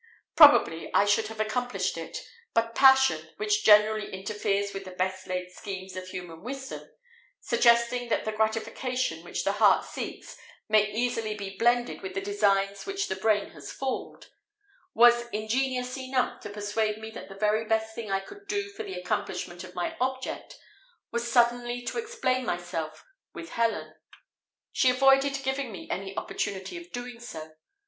Probably I should have accomplished it, but passion which generally interferes with the best laid schemes of human wisdom, suggesting that the gratification which the heart seeks may easily be blended with the designs which the brain has formed was ingenious enough to persuade me that the very best thing I could do for the accomplishment of my object was suddenly to explain myself with Helen. She avoided giving me any opportunity of doing so.